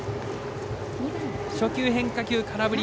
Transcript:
初球、変化球、空振り。